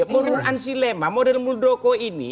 model ansi lema model muldoko ini